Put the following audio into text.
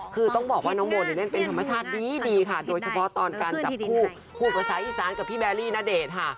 คือต้องบอกว่าน้องโบเล่นเป็นธรรมชาติดีค่ะโดยเฉพาะตอนจับผู้ในผู้ภาษาอีสานกับพี่แบร์รี่ณเดชค่ะ